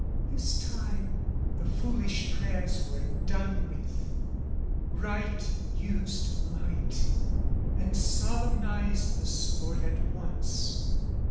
This time, the foolish prayers were done with, right Used might, and solemnised the sport at once.